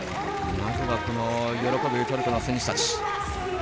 まずは、喜ぶトルコの選手たち。